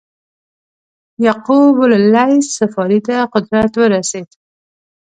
یعقوب اللیث صفاري ته قدرت ورسېد.